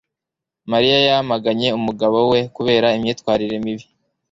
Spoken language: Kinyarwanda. Mariya yamaganye umugabo we kubera imyitwarire mibi